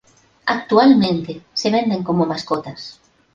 Actualmente se venden como mascotas.